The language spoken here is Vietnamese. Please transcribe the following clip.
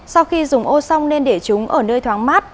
sau khi dùng ô xong nên để chúng ở nơi thoáng mát